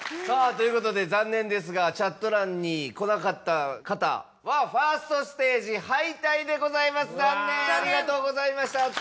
さぁということで残念ですがチャット欄にこなかった方は１ｓｔステージ敗退でございます残念ありがとうございました。